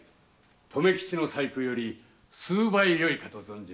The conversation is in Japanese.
留吉の細工より数倍よいかと。